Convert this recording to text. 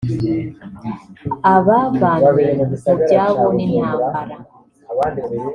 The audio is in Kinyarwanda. abavanywe mu byabo n’intambara